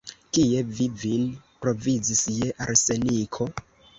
Kie vi vin provizis je arseniko?